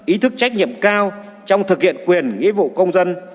ý thức trách nhiệm cao trong thực hiện quyền nghĩa vụ công dân